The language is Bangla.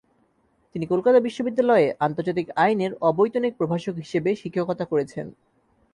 তিনি কলকাতা বিশ্ববিদ্যালয়ে আন্তর্জাতিক আইনের অবৈতনিক প্রভাষক হিসেবে শিক্ষকতা করেছেন।